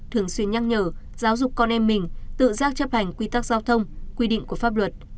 thường xuyên nhắc nhở giáo dục con em mình tự giác chấp hành quy tắc giao thông quy định của pháp luật